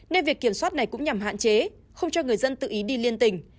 nên việc kiểm soát này cũng nhằm hạn chế không cho người dân tự ý đi liên tỉnh